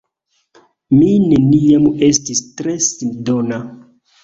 Mi neniam estis tre sindona.